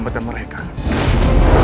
semoga tidak patah